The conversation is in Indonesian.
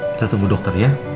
kita tunggu dokter ya